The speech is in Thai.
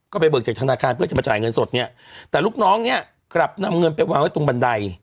ก็ไปเบิกจากธนาคารเพื่อจะมาจ่ายเงินสดเนี่ยแต่ลูกน้องเนี่ยกลับนำเงินไปวางไว้ตรงบันได